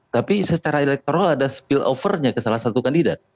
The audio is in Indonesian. tapi secara elektoral ada spill over nya ke salah satu kandidat